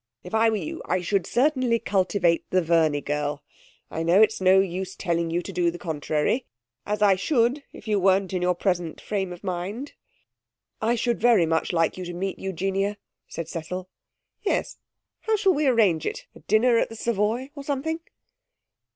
If I were you I should certainly cultivate the Verney girl. I know it's no use telling you to do the contrary, as I should if you weren't in your present frame of mind.' 'I should very much like you to meet Eugenia,' said Cecil. 'Yes. How shall we arrange it? A dinner at the Savoy or something?'